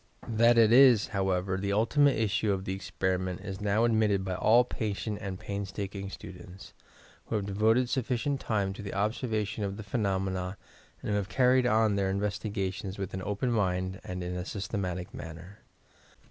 That it is, however, the ultimate issue of the experiment is now admitted by all patient and painstaking students, who have devoted sufficient time to the observation of the phenomena and who have carried on their invest! [ PHYSICAL PHENOMENA gations with an open mind and in a systematic manner.